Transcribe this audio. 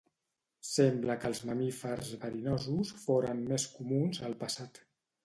Sembla que els mamífers verinosos foren més comuns al passat.